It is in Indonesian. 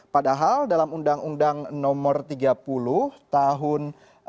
padahal dalam undang undang nomor tiga puluh tahun dua ribu